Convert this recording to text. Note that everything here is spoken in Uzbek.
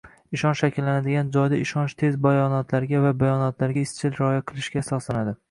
Ishonch shakllanadigan joyda ishonch tez bayonotlarga va bayonotlarga izchil rioya qilishga asoslanadi